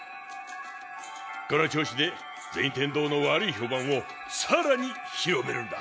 この調子で銭天堂の悪い評判をさらに広めるんだ。